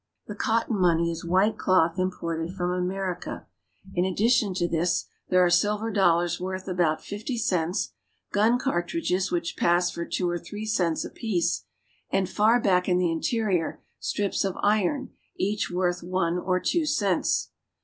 The cotton money is white cloth imported from America. In addition to this there are silver dollars worth about fifty cents, gun cartridges which pass for two or three cents apiece, and, far back in the interior, strips of iron each worth one or two cents.